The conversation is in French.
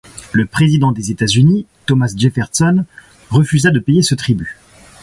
Le président des États-Unis, Thomas Jefferson, refusa de payer ce tribut.